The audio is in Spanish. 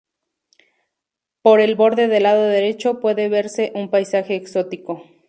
Por el borde del lado derecho puede verse un paisaje exótico.